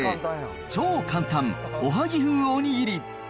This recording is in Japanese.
超簡単、おはぎ風おにぎり。